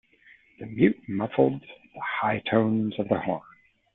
The mute muffled the high tones of the horn.